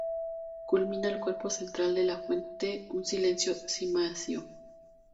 Culmina el cuerpo central de la fuente un sencillo cimacio.